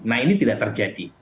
nah ini tidak terjadi